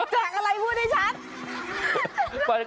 แกงอะไรพูดให้ชัด